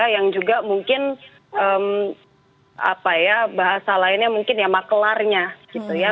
yang juga mungkin bahasa lainnya mungkin ya makelarnya